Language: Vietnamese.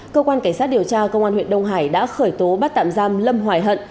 cơ quan cảnh sát điều tra công an huyện đông hải đã khởi tố bắt tạm giam lâm hoài hận